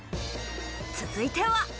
続いては。